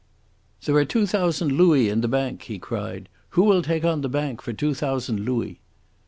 "There are two thousand louis in the bank," he cried. "Who will take on the bank for two thousand louis?"